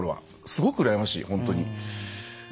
すごく羨ましい本当に。